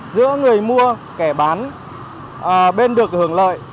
giữa người mua kẻ bán bên được hưởng lợi